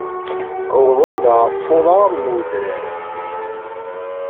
Wwḍen-d ɣef uḍar n udrar.